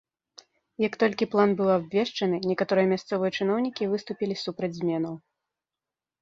Як толькі план быў абвешчаны, некаторыя мясцовыя чыноўнікі выступілі супраць зменаў.